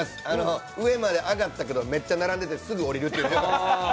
上まで上がったけどめっちゃ並んでてすぐ降りるっていう。